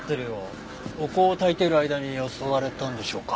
お香をたいている間に襲われたんでしょうか？